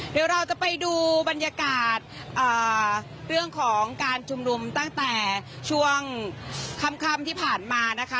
เดี๋ยวเราจะไปดูบรรยากาศเรื่องของการชุมนุมตั้งแต่ช่วงค่ำที่ผ่านมานะคะ